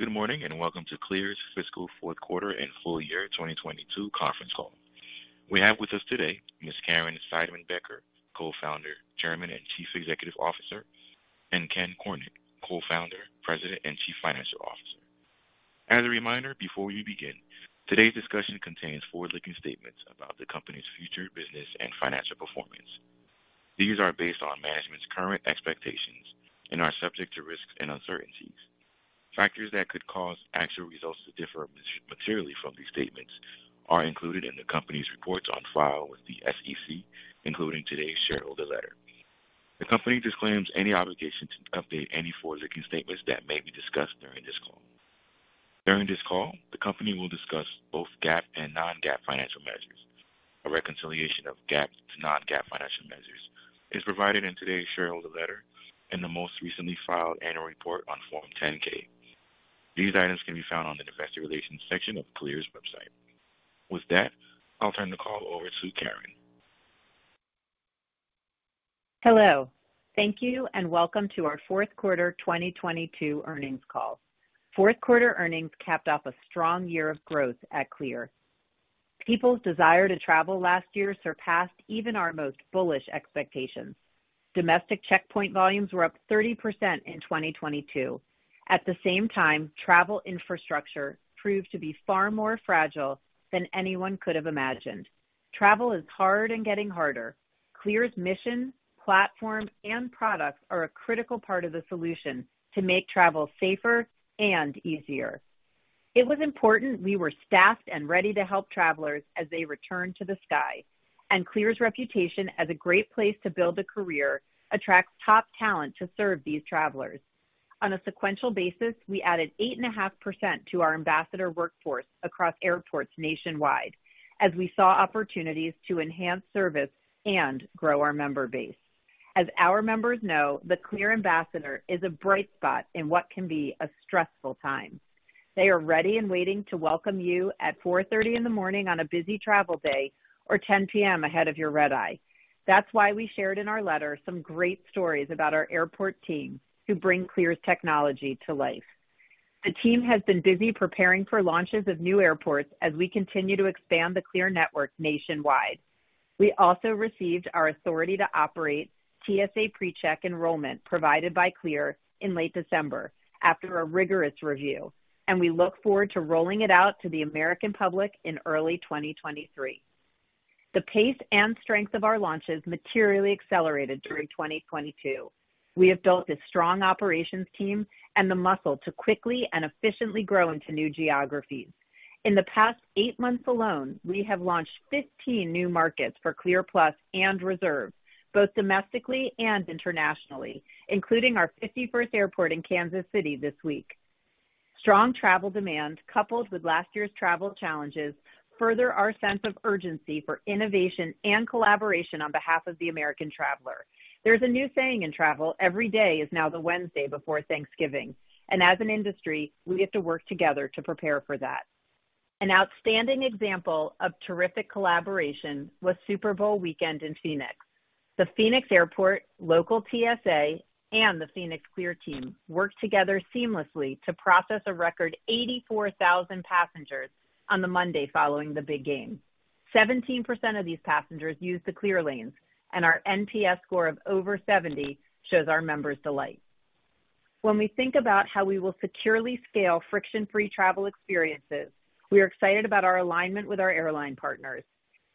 Good morning, and welcome to CLEAR's fiscal fourth quarter and full year 2022 conference call. We have with us today Ms. Caryn Seidman-Becker, Co-founder, Chairman, and Chief Executive Officer, and Ken Cornick, Co-founder, President, and Chief Financial Officer. As a reminder, before we begin, today's discussion contains forward-looking statements about the company's future business and financial performance. These are based on management's current expectations and are subject to risks and uncertainties. Factors that could cause actual results to differ materially from these statements are included in the company's reports on file with the SEC, including today's shareholder letter. The company disclaims any obligation to update any forward-looking statements that may be discussed during this call. During this call, the company will discuss both GAAP and non-GAAP financial measures. A reconciliation of GAAP to non-GAAP financial measures is provided in today's shareholder letter and the most recently filed annual report on Form 10-K. These items can be found on the investor relations section of CLEAR's website. With that, I'll turn the call over to Caryn. Hello. Thank you and welcome to our fourth quarter 2022 earnings call. Fourth quarter earnings capped off a strong year of growth at CLEAR. People's desire to travel last year surpassed even our most bullish expectations. Domestic checkpoint volumes were up 30% in 2022. At the same time, travel infrastructure proved to be far more fragile than anyone could have imagined. Travel is hard and getting harder. CLEAR's mission, platform, and products are a critical part of the solution to make travel safer and easier. It was important we were staffed and ready to help travelers as they returned to the sky, and CLEAR's reputation as a great place to build a career attracts top talent to serve these travelers. On a sequential basis, we added 8.5% to our Ambassador workforce across airports nationwide as we saw opportunities to enhance service and grow our member base. As our members know, the CLEAR Ambassador is a bright spot in what can be a stressful time. They are ready and waiting to welcome you at 4:30 A.M. on a busy travel day or 10:00 P.M. ahead of your red-eye. That's why we shared in our letter some great stories about our airport team who bring CLEAR's technology to life. The team has been busy preparing for launches of new airports as we continue to expand the CLEAR network nationwide. We also received our authority to operate TSA PreCheck enrollment provided by CLEAR in late December after a rigorous review, and we look forward to rolling it out to the American public in early 2023. The pace and strength of our launches materially accelerated during 2022. We have built a strong operations team and the muscle to quickly and efficiently grow into new geographies. In the past 8 months alone, we have launched 15 new markets for CLEAR+ and Reserve, both domestically and internationally, including our 51st airport in Kansas City this week. Strong travel demand, coupled with last year's travel challenges, further our sense of urgency for innovation and collaboration on behalf of the American traveler. There's a new saying in travel, "Every day is now the Wednesday before Thanksgiving." As an industry, we have to work together to prepare for that. An outstanding example of terrific collaboration was Super Bowl weekend in Phoenix. The Phoenix Airport, local TSA, and the Phoenix CLEAR team worked together seamlessly to process a record 84,000 passengers on the Monday following the big game. 17% of these passengers used the CLEAR lanes, and our NPS score of over 70 shows our members' delight. When we think about how we will securely scale friction-free travel experiences, we are excited about our alignment with our airline partners.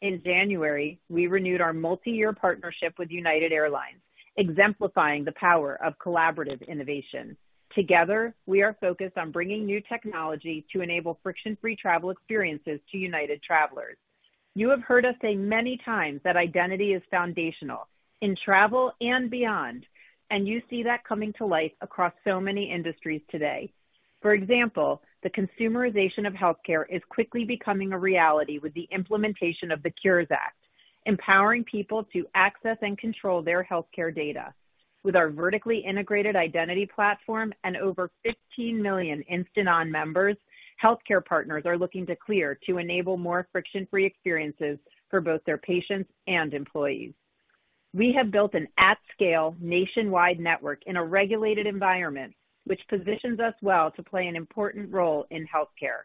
In January, we renewed our multi-year partnership with United Airlines, exemplifying the power of collaborative innovation. Together, we are focused on bringing new technology to enable friction-free travel experiences to United travelers. You have heard us say many times that identity is foundational in travel and beyond, and you see that coming to life across so many industries today. For example, the consumerization of healthcare is quickly becoming a reality with the implementation of the Cures Act, empowering people to access and control their healthcare data. With our vertically integrated identity platform and over 15 million instant-on members, healthcare partners are looking to CLEAR to enable more friction-free experiences for both their patients and employees. We have built an at-scale nationwide network in a regulated environment, which positions us well to play an important role in healthcare.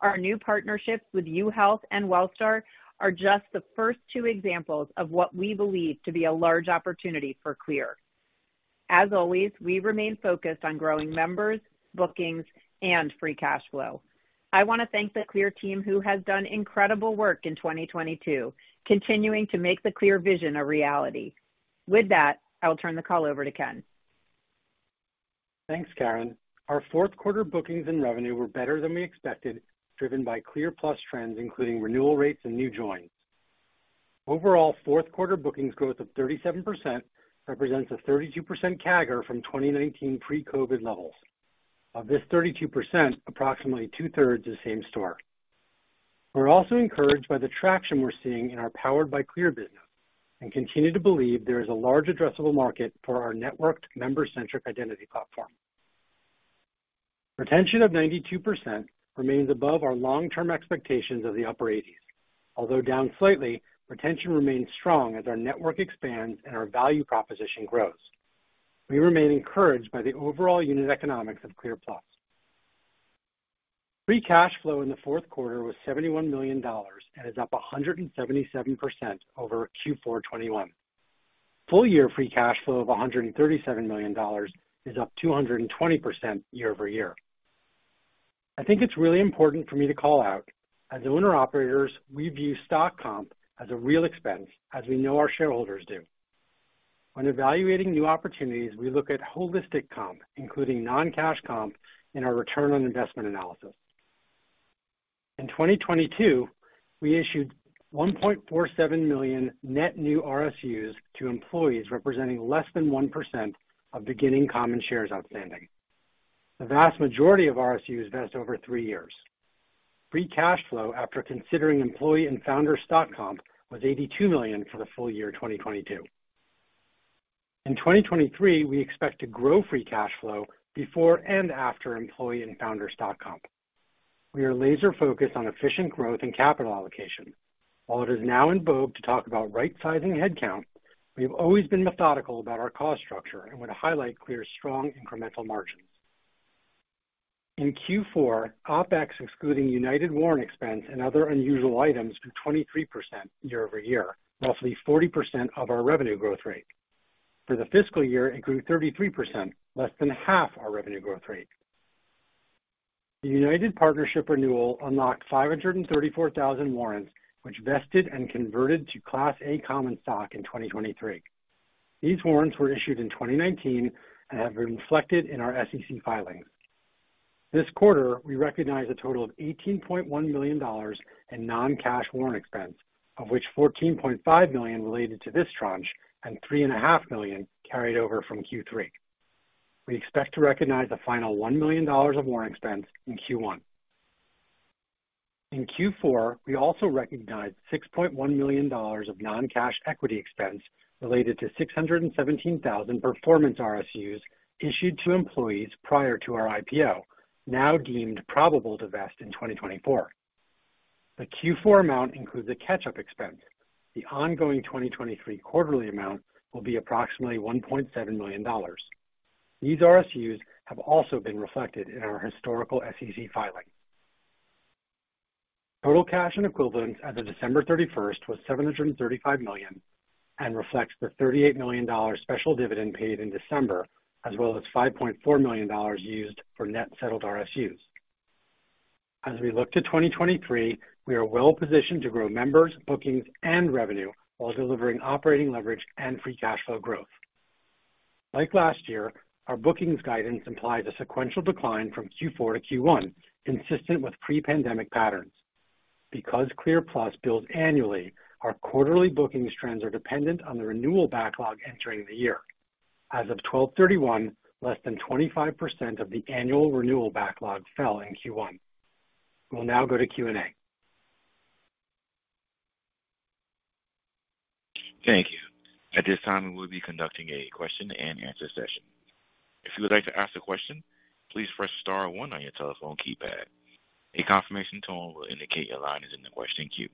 Our new partnerships with UHealth and Wellstar are just the first two examples of what we believe to be a large opportunity for CLEAR. As always, we remain focused on growing members, bookings, and free cash flow. I wanna thank the CLEAR team, who has done incredible work in 2022, continuing to make the CLEAR vision a reality. With that, I will turn the call over to Ken. Thanks, Caryn. Our fourth quarter bookings and revenue were better than we expected, driven by CLEAR+ trends, including renewal rates and new joins. Overall, fourth quarter bookings growth of 37% represents a 32% CAGR from 2019 pre-COVID levels. Of this 32%, approximately two-thirds is same store. We're also encouraged by the traction we're seeing in our Powered by CLEAR business and continue to believe there is a large addressable market for our networked member-centric identity platform. Retention of 92% remains above our long-term expectations of the upper 80s. Although down slightly, retention remains strong as our network expands and our value proposition grows. We remain encouraged by the overall unit economics of CLEAR+. Free cash flow in the fourth quarter was $71 million and is up 177% over Q4 2021. Full year free cash flow of $137 million is up 220% year-over-year. I think it's really important for me to call out, as owner operators, we view stock comp as a real expense, as we know our shareholders do. When evaluating new opportunities, we look at holistic comp, including non-cash comp in our return on investment analysis. In 2022, we issued 1.47 million net new RSUs to employees, representing less than 1% of beginning common shares outstanding. The vast majority of RSUs vest over three years. Free cash flow after considering employee and founder stock comp was $82 million for the full year 2022. In 2023, we expect to grow free cash flow before and after employee and founder stock comp. We are laser focused on efficient growth and capital allocation. While it is now in vogue to talk about right sizing headcount, we have always been methodical about our cost structure and want to highlight CLEAR's strong incremental margins. In Q4, OpEx, excluding United warrant expense and other unusual items, grew 23% year-over-year, roughly 40% of our revenue growth rate. For the fiscal year, it grew 33%, less than half our revenue growth rate. The United Partnership renewal unlocked 534,000 warrants, which vested and converted to Class A common stock in 2023. These warrants were issued in 2019 and have been reflected in our SEC filings. This quarter, we recognized a total of $18.1 million in non-cash warrant expense, of which $14.5 million related to this tranche and three and a half million carried over from Q3. We expect to recognize the final $1 million of warrant expense in Q1. In Q4, we also recognized $6.1 million of non-cash equity expense related to 617,000 performance RSUs issued to employees prior to our IPO, now deemed probable to vest in 2024. The Q4 amount includes a catch-up expense. The ongoing 2023 quarterly amount will be approximately $1.7 million. These RSUs have also been reflected in our historical SEC filing. Total cash and equivalents as of December 31st was $735 million, reflects the $38 million special dividend paid in December, as well as $5.4 million used for net settled RSUs. As we look to 2023, we are well-positioned to grow members, bookings, and revenue while delivering operating leverage and free cash flow growth. Like last year, our bookings guidance implies a sequential decline from Q4 to Q1, consistent with pre-pandemic patterns. Because CLEAR+ bills annually, our quarterly bookings trends are dependent on the renewal backlog entering the year. As of 12/31, less than 25% of the annual renewal backlog fell in Q1. We'll now go to Q&A. Thank you. At this time, we will be conducting a question-and-answer session. If you would like to ask a question, please press star one on your telephone keypad. A confirmation tone will indicate your line is in the question queue.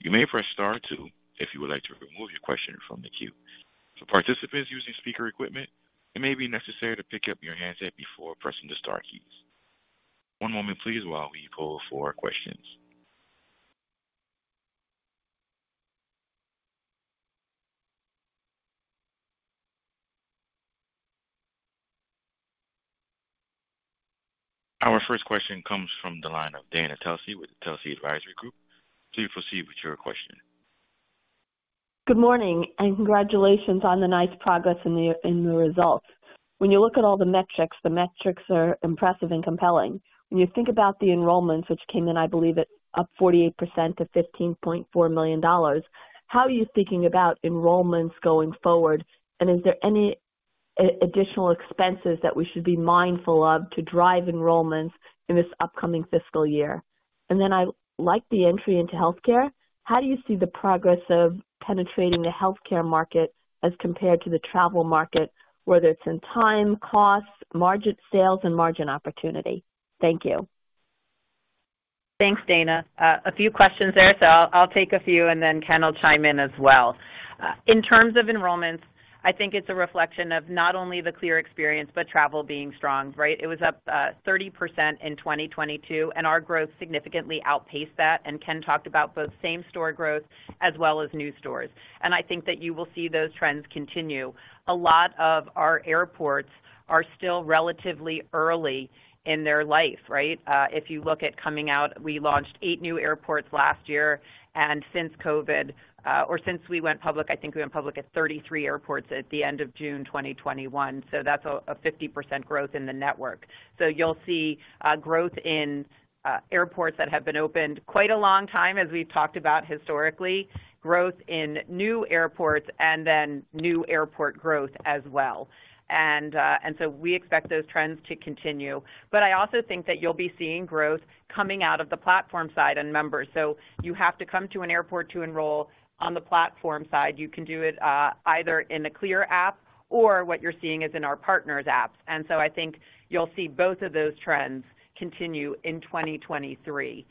You may press star two if you would like to remove your question from the queue. For participants using speaker equipment, it may be necessary to pick up your handset before pressing the star keys. One moment, please, while we poll for questions. Our first question comes from the line of Dana Telsey with Telsey Advisory Group. Please proceed with your question. Good morning, congratulations on the nice progress in the results. When you look at all the metrics, the metrics are impressive and compelling. When you think about the enrollments which came in, I believe it, up 48% to $15.4 million, how are you thinking about enrollments going forward? Is there any additional expenses that we should be mindful of to drive enrollments in this upcoming fiscal year? I like the entry into healthcare. How do you see the progress of penetrating the healthcare market as compared to the travel market, whether it's in time, costs, margin sales, and margin opportunity? Thank you. Thanks, Dana. A few questions there, so I'll take a few and then Ken will chime in as well. In terms of enrollments, I think it's a reflection of not only the CLEAR experience, but travel being strong, right? It was up 30% in 2022, and our growth significantly outpaced that and Ken talked about both same-store growth as well as new stores. I think that you will see those trends continue. A lot of our airports are still relatively early in their life, right? If you look at coming out, we launched 8 new airports last year, and since COVID, or since we went public, I think we went public at 33 airports at the end of June 2021, so that's a 50% growth in the network. You'll see growth in airports that have been opened quite a long time as we've talked about historically, growth in new airports and then new airport growth as well. We expect those trends to continue. I also think that you'll be seeing growth coming out of the platform side and members. You have to come to an airport to enroll on the platform side. You can do it either in the CLEAR app or what you're seeing is in our partners' apps. I think you'll see both of those trends continue in 2023.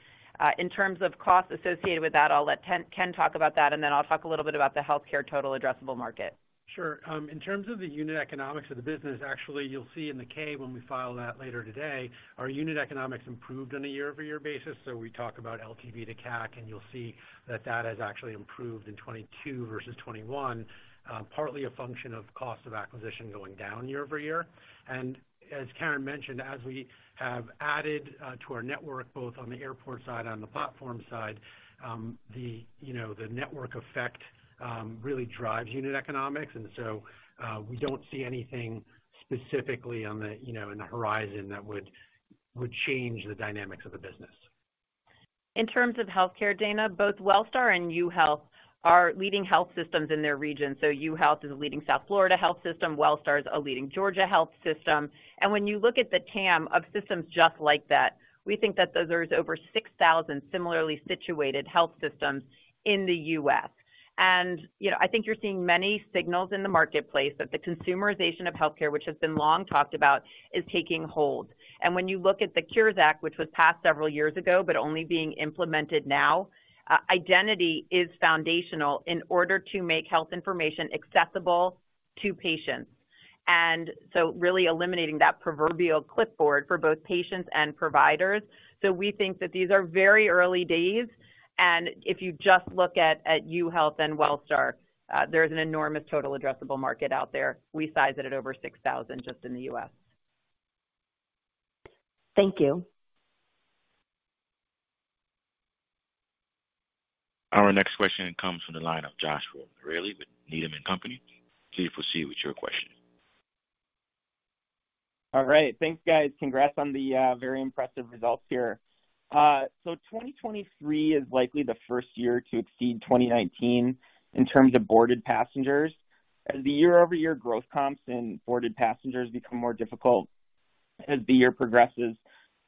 In terms of costs associated with that, I'll let Ken talk about that and then I'll talk a little bit about the healthcare total addressable market. Sure. In terms of the unit economics of the business, actually, you'll see in the K when we file that later today, our unit economics improved on a year-over-year basis. We talk about LTV to CAC, and you'll see that that has actually improved in 2022 versus 2021, partly a function of cost of acquisition going down year-over-year. As Caryn mentioned, as we have added to our network, both on the airport side and the platform side, the, you know, the network effect really drives unit economics. We don't see anything specifically on the, you know, in the horizon that would change the dynamics of the business. In terms of healthcare, Dana, both Wellstar and UHealth are leading health systems in their region. UHealth is a leading South Florida health system. Wellstar is a leading Georgia health system. When you look at the TAM of systems just like that, we think that there's over 6,000 similarly situated health systems in the U.S. You know I think you're seeing many signals in the marketplace that the consumerization of healthcare, which has been long talked about, is taking hold. When you look at the Cures Act, which was passed several years ago, but only being implemented now, identity is foundational in order to make health information accessible to patients. Really eliminating that proverbial clipboard for both patients and providers. We think that these are very early days, and if you just look at UHealth and Wellstar, there's an enormous total addressable market out there. We size it at over 6,000 just in the U.S. Thank you. Our next question comes from the line of Joshua Reilly with Needham & Company. Please proceed with your question. All right. Thanks, guys. Congrats on the very impressive results here. Twenty twenty-three is likely the first year to exceed 2019 in terms of boarded passengers. As the year-over-year growth comps and boarded passengers become more difficult as the year progresses,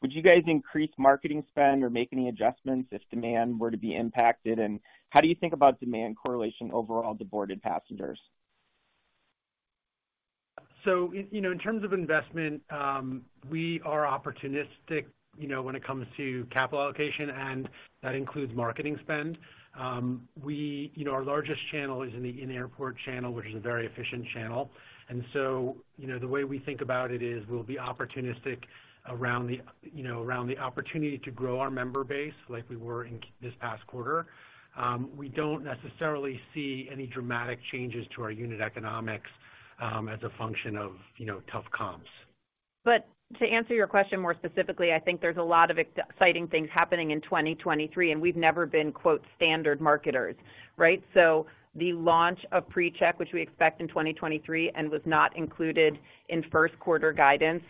would you guys increase marketing spend or make any adjustments if demand were to be impacted? How do you think about demand correlation over all the boarded passengers? You know, in terms of investment, we are opportunistic, you know, when it comes to capital allocation, and that includes marketing spend. You know, our largest channel is in the in-airport channel, which is a very efficient channel. You know, the way we think about it is we'll be opportunistic around the, you know, around the opportunity to grow our member base like we were in this past quarter. We don't necessarily see any dramatic changes to our unit economics as a function of, you know, tough comps. To answer your question more specifically, I think there's a lot of exciting things happening in 2023, and we've never been, quote, "standard marketers." Right? The launch of PreCheck, which we expect in 2023 and was not included in first quarter guidance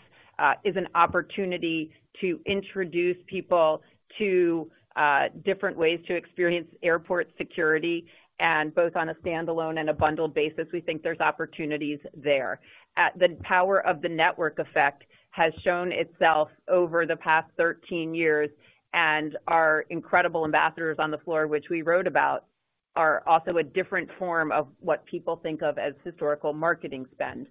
is an opportunity to introduce people to different ways to experience airport security and both on a standalone and a bundled basis. We think there's opportunities there. The power of the network effect has shown itself over the past 13 years. Our incredible ambassadors on the floor, which we wrote about, are also a different form of what people think of as historical marketing spend.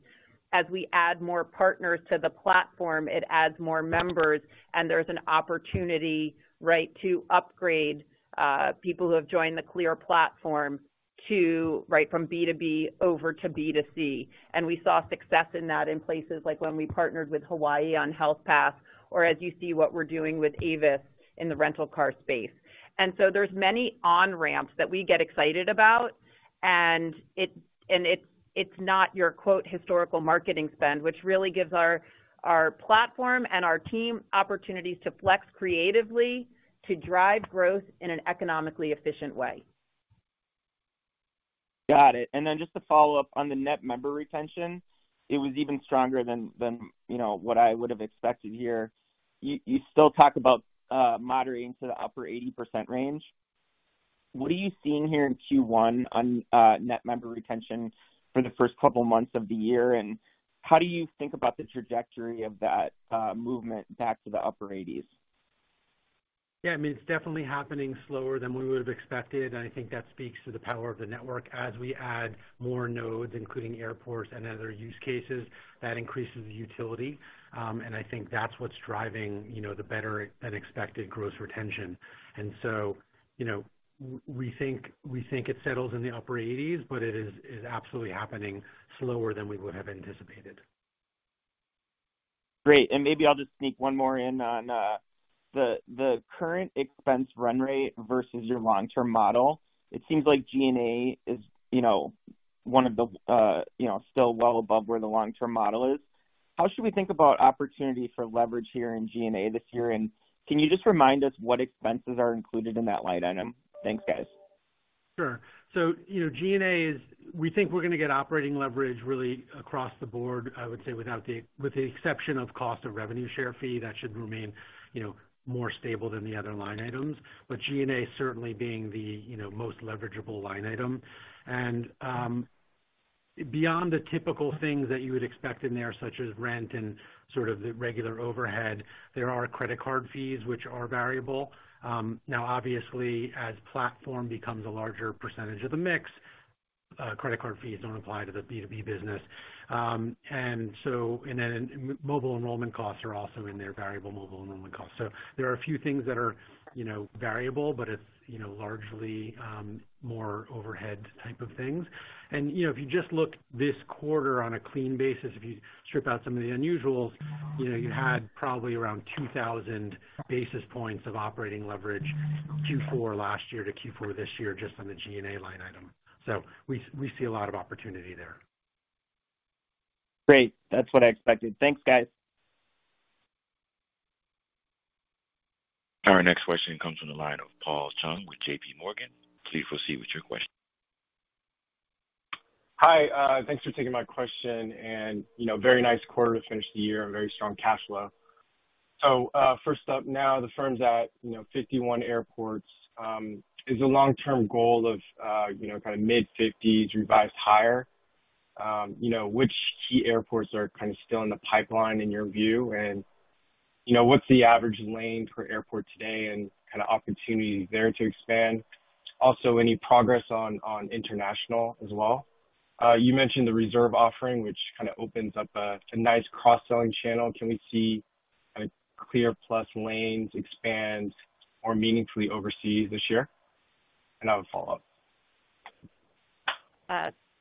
As we add more partners to the platform, it adds more members and there's an opportunity, right, to upgrade people who have joined the CLEAR platform to, right, from B2B over to B2C. We saw success in that in places like when we partnered with Hawaii on Health Pass or as you see what we're doing with Avis in the rental car space. There's many on-ramps that we get excited about, it's not your, quote, "historical marketing spend," which really gives our platform and our team opportunities to flex creatively to drive growth in an economically efficient way. Got it. Then just to follow up on the net member retention, it was even stronger than, you know, what I would have expected here. You still talk about moderating to the upper 80% range. What are you seeing here in Q1 on net member retention for the first couple months of the year? How do you think about the trajectory of that movement back to the upper 80s? Yeah, I mean it's definitely happening slower than we would have expected. I think that speaks to the power of the network. As we add more nodes, including airports and other use cases, that increases the utility. I think that's what's driving, you know, the better than expected gross retention. You know, we think it settles in the upper eighties. It is absolutely happening slower than we would have anticipated. Great. Maybe I'll just sneak one more in on the current expense run rate versus your long-term model. It seems like G&A is, you know, one of the, you know, still well above where the long-term model is. How should we think about opportunity for leverage here in G&A this year? Can you just remind us what expenses are included in that line item? Thanks, guys. Sure. You know, G&A, we think we're gonna get operating leverage really across the board, I would say with the exception of cost of revenue share fee. That should remain, you know, more stable than the other line items. G&A certainly being the, you know, most leverageable line item. Beyond the typical things that you would expect in there, such as rent and sort of the regular overhead, there are credit card fees, which are variable. Now obviously, as platform becomes a larger percentage of the mix, credit card fees don't apply to the B2B business. Then mobile enrollment costs are also in there, variable mobile enrollment costs. There are a few things that are, you know, variable, but it's, you know, largely, more overhead type of things. You know if you just look this quarter on a clean basis, if you strip out some of the unusuals, you know you had probably around 2,000 basis points of operating leverage Q4 last year to Q4 this year just on the G&A line item. We see a lot of opportunity there. Great. That's what I expected. Thanks, guys. Our next question comes from the line of Paul Chung with JPMorgan. Please proceed with your question. Hi, thanks for taking my question and you know, very nice quarter to finish the year and very strong cash flow. First up now, the firms at, you know, 51 airports, is a long-term goal of, you know, kind of mid-50s revised higher. You know, which key airports are kind of still in the pipeline in your view? You know, what's the average lane per airport today and kind of opportunity there to expand? Also, any progress on international as well? You mentioned the Reserve offering, which kind of opens up a nice cross-selling channel. Can we see a CLEAR+ lanes expand more meaningfully overseas this year? I have a follow-up.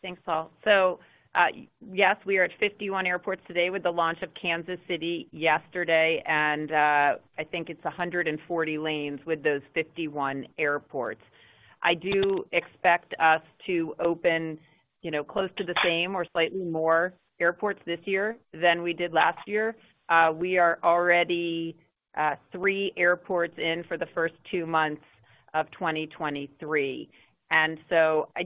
Thanks Paul. Yes, we are at 51 airports today with the launch of Kansas City yesterday. I think it's 140 lanes with those 51 airports. I do expect us to open, you know, close to the same or slightly more airports this year than we did last year. We are already 3 airports in for the first two months of 2023. I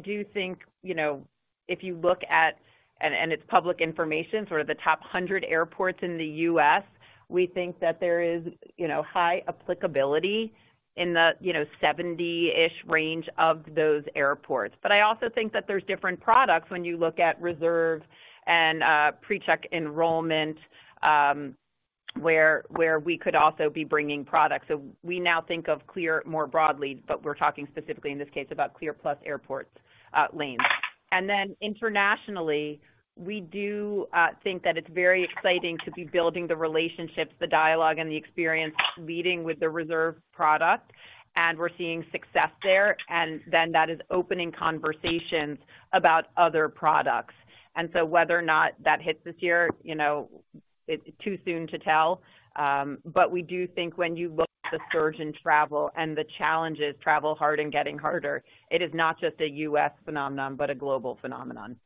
do think, you know, if you look at - and it's public information, sort of the top 100 airports in the U.S., we think that there is, you know, high applicability in the, you know, 70-ish range of those airports. I also think that there's different products when you look at Reserve and PreCheck enrollment, where we could also be bringing products. We now think of CLEAR more broadly, but we're talking specifically in this case about CLEAR+ airports, lanes. Internationally, we do think that it's very exciting to be building the relationships, the dialogue, and the experience leading with the Reserve product, and we're seeing success there. That is opening conversations about other products. Whether or not that hits this year, you know, it's too soon to tell. We do think when you look at the surge in travel and the challenges travel hard and getting harder, it is not just a U.S. phenomenon but a global phenomenon.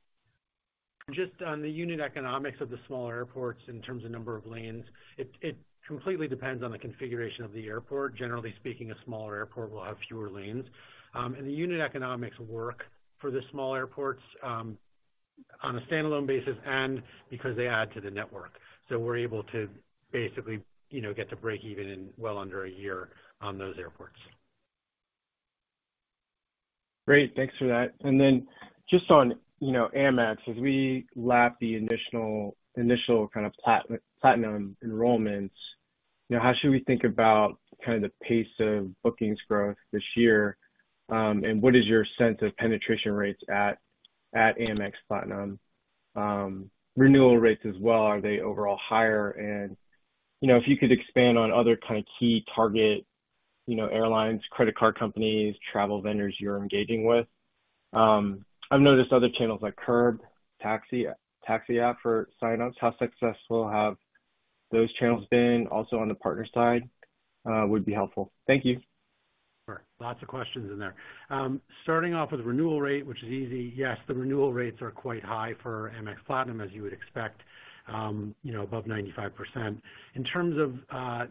Just on the unit economics of the smaller airports in terms of number of lanes, it completely depends on the configuration of the airport. Generally speaking, a smaller airport will have fewer lanes. The unit economics work for the small airports, on a standalone basis and because they add to the network. We're able to basically, you know, get to break even in well under a year on those airports. Great. Thanks for that. Just on, you know, Amex, as we lap the initial Platinum enrollments, you know, how should we think about kind of the pace of bookings growth this year? What is your sense of penetration rates at Amex Platinum? Renewal rates as well, are they overall higher? If you could expand on other kind of key target, you know, airlines, credit card companies, travel vendors you're engaging with. I've noticed other channels like Curb Taxi App for sign-ups. How successful have those channels been also on the partner side, would be helpful. Thank you. Sure. Lots of questions in there. Starting off with renewal rate, which is easy. Yes, the renewal rates are quite high for Amex Platinum, as you would expect, you know, above 95%. In terms of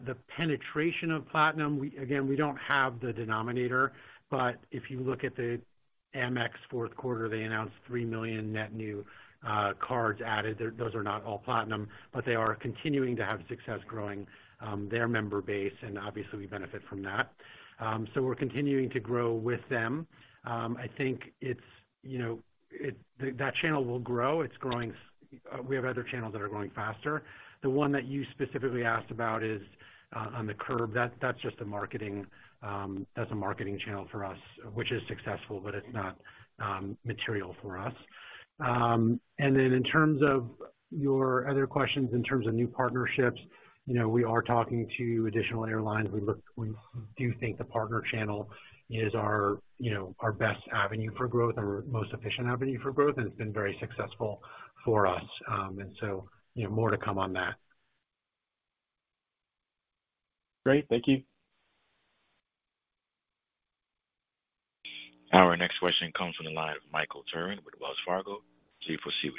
the penetration of Platinum, again, we don't have the denominator. If you look at the Amex fourth quarter, they announced 3 million net new cards added. Those are not all Platinum, they are continuing to have success growing their member base, obviously, we benefit from that. We're continuing to grow with them. I think it's, you know, that channel will grow. We have other channels that are growing faster. The one that you specifically asked about is on the Curb. That's just a marketing channel for us, which is successful, but it's not material for us. Then in terms of your other questions, in terms of new partnerships, you know, we are talking to additional airlines. We do think the partner channel is our, you know, our best avenue for growth and our most efficient avenue for growth, and it's been very successful for us. So, you know, more to come on that. Great. Thank you. Our next question comes from the line of Michael Turrin with Wells Fargo. Please proceed.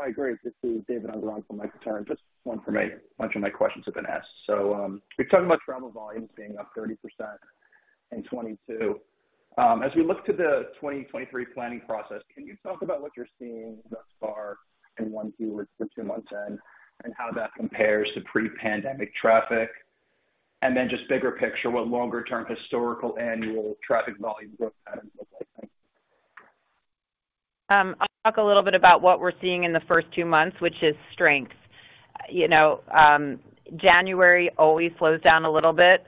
Hi. Great to see you, Dave, on the line from Mike Turrin. Just one for me. A bunch of my questions have been asked. You're talking about travel volumes being up 30% in 2022. As we look to the 2023 planning process, can you talk about what you're seeing thus far in one or two months in, and how that compares to pre-pandemic traffic? Just bigger picture, what longer-term historical annual traffic volume growth patterns look like? I'll talk a little bit about what we're seeing in the first two months, which is strength. You know, January always slows down a little bit,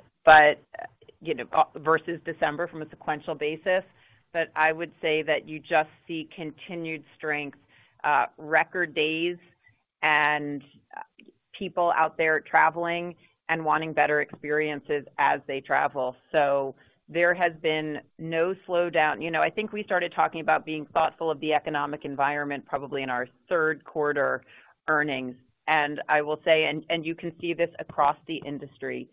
you know, versus December from a sequential basis. I would say that you just see continued strength, record days and people out there traveling and wanting better experiences as they travel. There has been no slowdown. You know, I think we started talking about being thoughtful of the economic environment probably in our third quarter earnings I will say, and you can see this across the industry.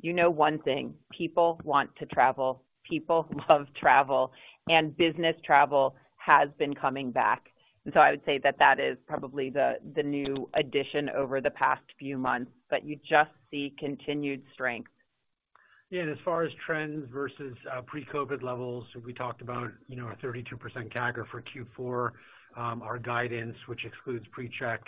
You know one thing, people want to travel, people love travel and business travel has been coming back. I would say that that is probably the new addition over the past few months. You just see continued strength. Yeah. As far as trends versus pre-COVID levels, we talked about, you know, a 32% CAGR for Q4. Our guidance, which excludes PreCheck,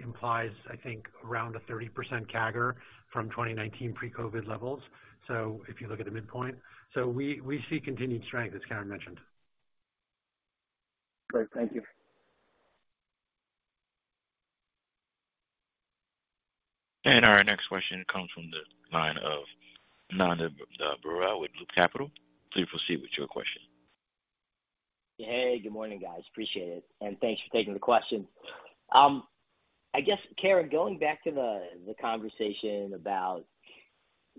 implies I think around a 30% CAGR from 2019 pre-COVID levels. If you look at the midpoint. We see continued strength, as Caryn mentioned. Great. Thank you. Our next question comes from the line of Ananda Burra with Loop Capital. Please proceed with your question. Hey, good morning, guys. Appreciate it. Thanks for taking the question. I guess Caryn, going back to the conversation about,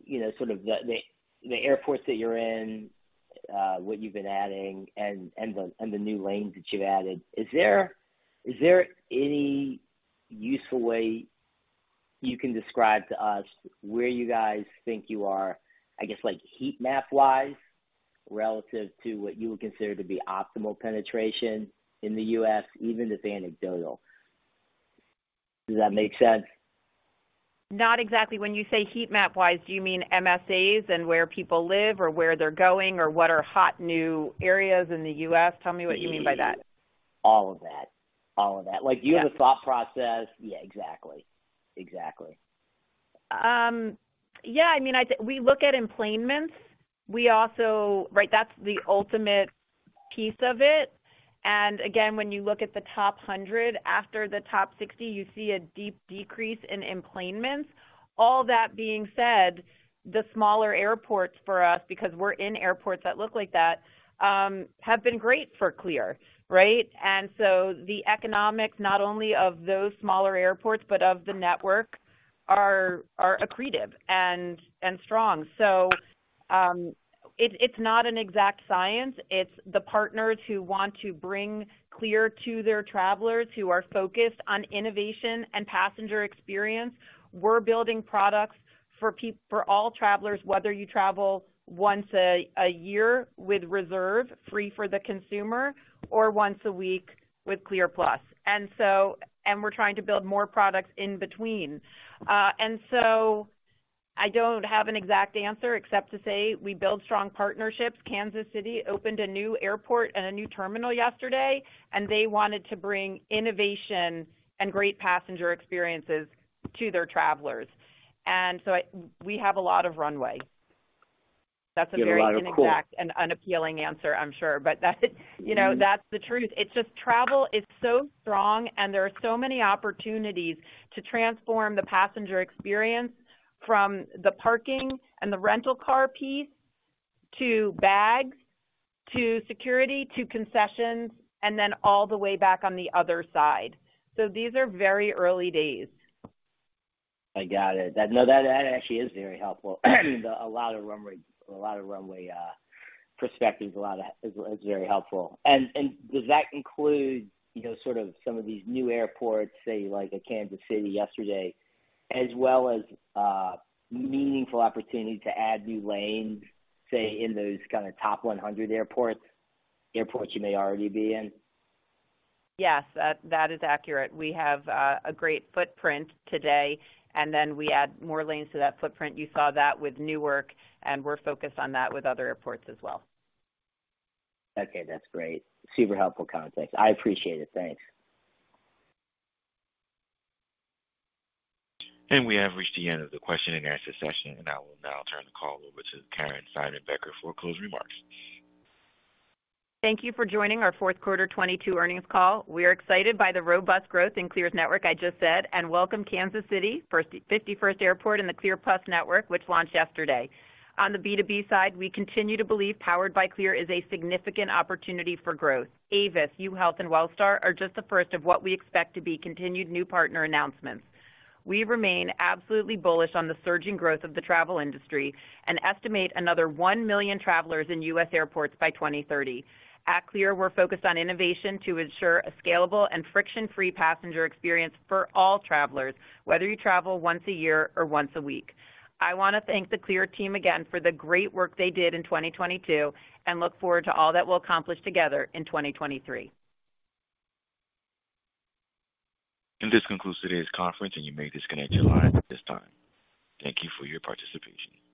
you know, sort of the airports that you're in, what you've been adding and the new lanes that you've added, is there any useful way you can describe to us where you guys think you are, I guess, like heat map wise, relative to what you would consider to be optimal penetration in the U.S., even if anecdotal? Does that make sense? Not exactly. When you say heat map wise, do you mean MSAs and where people live or where they're going, or what are hot new areas in the U.S.? Tell me what you mean by that. All of that. Like, do you have a thought process? Yeah, exactly. Yeah, I mean we look at enplanements. Right, that's the ultimate piece of it. Again when you look at the top 100, after the top 60, you see a deep decrease in enplanements. All that being said, the smaller airports for us, because we're in airports that look like that, have been great for CLEAR, right? The economics not only of those smaller airports, but of the network are accretive and strong. It's not an exact science. It's the partners who want to bring CLEAR to their travelers, who are focused on innovation and passenger experience. We're building products for all travelers, whether you travel once a year with Reserve, free for the consumer or once a week with CLEAR+. We're trying to build more products in between. I don't have an exact answer except to say we build strong partnerships. Kansas City opened a new airport and a new terminal yesterday, and they wanted to bring innovation and great passenger experiences to their travelers. We have a lot of runway. You have a lot of cool. Inexact and unappealing answer, I'm sure. That's you know, that's the truth. It's just travel is so strong and there are so many opportunities to transform the passenger experience from the parking and the rental car piece to bags, to security, to concessions, and then all the way back on the other side. These are very early days. I got it. No, that actually is very helpful. A lot of runway perspective. A lot of that is very helpful. Does that include, you know, sort of some of these new airports, say like a Kansas City yesterday, as well as meaningful opportunity to add new lanes, say in those kinda top 100 airports you may already be in? Yes. That is accurate. We have a great footprint today. Then we add more lanes to that footprint. You saw that with Newark. We're focused on that with other airports as well. Okay. That's great. Super helpful context. I appreciate it. Thanks. We have reached the end of the question and answer session, and I will now turn the call over to Caryn Seidman-Becker for closing remarks. Thank you for joining our fourth quarter 2022 earnings call. We are excited by the robust growth in CLEAR's network, I just said, and welcome Kansas City, 51st airport in the CLEAR+ network, which launched yesterday. On the B2B side, we continue to believe Powered by CLEAR is a significant opportunity for growth. Avis, UHealth and Wellstar are just the first of what we expect to be continued new partner announcements. We remain absolutely bullish on the surging growth of the travel industry, and estimate another one million travelers in U.S. airports by 2030. At CLEAR, we're focused on innovation to ensure a scalable and friction-free passenger experience for all travelers, whether you travel once a year or once a week. I wanna thank the CLEAR team again for the great work they did in 2022 and look forward to all that we'll accomplish together in 2023. This concludes today's conference, and you may disconnect your lines at this time. Thank you for your participation.